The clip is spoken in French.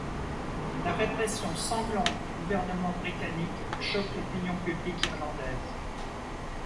La répression sanglante du gouvernement britannique choque l'opinion publique irlandaise.